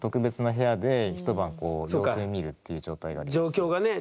状況がね。